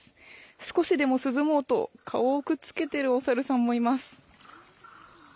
少しでも涼もうと顔をくっつけているお猿さんもいます。